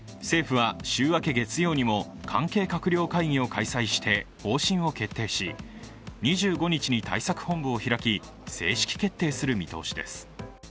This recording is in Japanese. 政府は週明け月曜にも関係閣僚会議を開催して方針を決定し、２５日に対策本部を開き正式決定する見通しです。